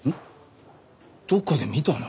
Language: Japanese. どっかで見たな。